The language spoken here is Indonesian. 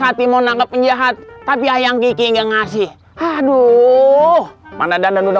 lagi mau nangkep penjahat tapi ayang gigi enggak ngasih aduh mana dandan udah